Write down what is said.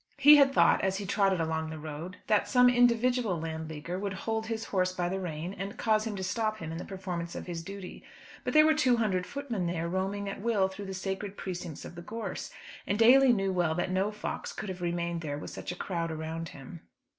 He had thought as he trotted along the road that some individual Landleaguer would hold his horse by the rein and cause him to stop him in the performance of his duty; but there were two hundred footmen there roaming at will through the sacred precincts of the gorse, and Daly knew well that no fox could have remained there with such a crowd around him.